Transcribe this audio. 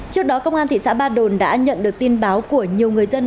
trước đó công an thị xã ba đồn đã nhận được tin báo của nhiều người dân